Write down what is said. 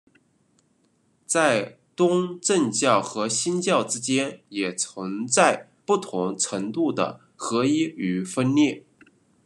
在东正教和新教之间也存在不同程度的合一与分裂。